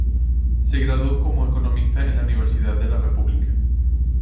Se graduó como economista en la Universidad de la República.